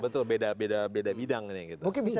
betul beda beda bidangnya mungkin bisa